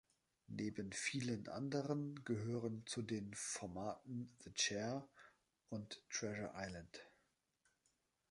Neben vielen anderen gehören zu den Formaten "The Chair" und "Treasure Island".